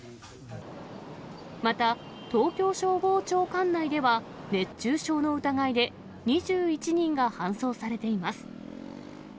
また、東京消防庁管内では、熱中症の疑いで２１人が搬送されています。